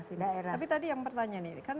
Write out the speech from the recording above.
presiden tapi tadi yang pertanyaan ini kan